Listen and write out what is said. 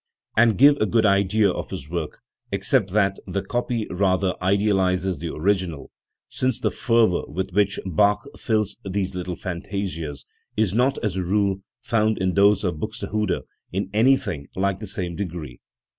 47 and give a good idea of his work, except that the copy rather idealises the original, since the fervour with which Bach fills these little fantasias, is not, as a rule, found in those of Buxtehude in anything like the same degree.